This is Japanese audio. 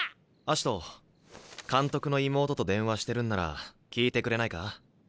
葦人監督の妹と電話してるんなら聞いてくれないか？